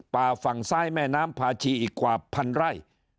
ป่าฝั่งซ้ายแม่น้ำพาชีอีกกว่าพันไร่